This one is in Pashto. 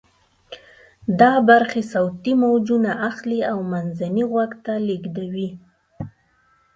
دا برخې صوتی موجونه اخلي او منځني غوږ ته لیږدوي.